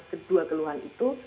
kedua keluhan itu